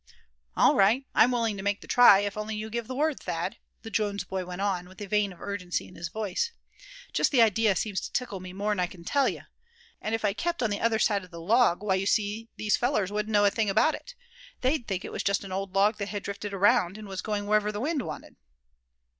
"All right, I'm willing to make the try, if only you give the word, Thad," the Jones boy went on, with a vein of urgency in his voice. "Just the idea seems to tickle me more'n I c'n tell you. And if I kept on the other side of the log, why you see, these fellers wouldn't know a thing about it. They'd think it was just an old log that had drifted around, and was going wherever the wind wanted."